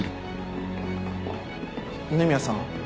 二宮さん。